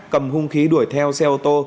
cầm hung khí đuổi theo xe ô tô